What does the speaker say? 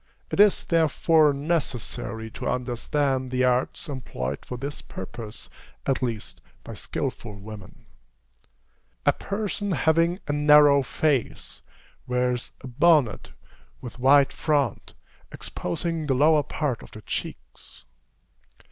It is, therefore, necessary to understand the arts employed for this purpose, at least by skilful women. A person having a narrow face, wears a bonnet with wide front, exposing the lower part of the cheeks.